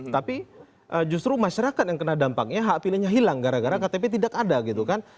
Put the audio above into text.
tapi justru masyarakat yang kena dampaknya hak pilihnya hilang gara gara ktp tidak ada gitu kan